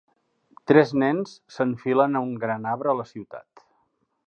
Tres nens s'enfilen a un gran arbre a la ciutat.